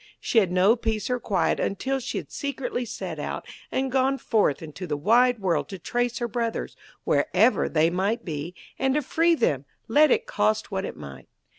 She had no peace or quiet until she had secretly set out, and gone forth into the wide world to trace her brothers, wherever they might be, and to free them, let it cost what it might.